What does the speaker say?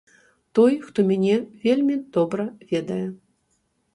Той, хто мяне вельмі добра ведае.